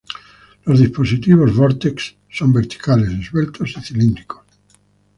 Los dispositivos Vortex son verticales, esbeltos y cilíndricos.